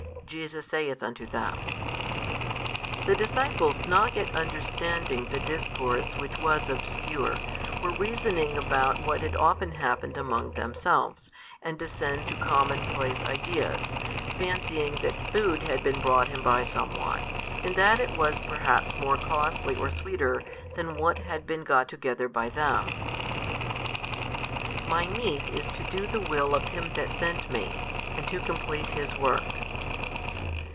Jesus saith unto them, The disciples not yet understanding the discourse which was obscure, were reasoning about what had often happened among themselves, and descend to common place ideas, fancying that food had been brought Him by some one, and that it was perhaps more costly or sweeter than what had been got together by them. My meat is to do the Will of Him That sent Me and to complete His Work.